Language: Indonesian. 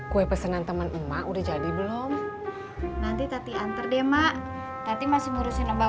kue pesenan teman emak udah jadi belum nanti tadi antar deh mak nanti masih ngurusin bang